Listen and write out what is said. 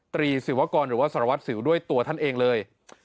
ตรีศิวกรหรือว่าสารวัตรสิวด้วยตัวท่านเองเลย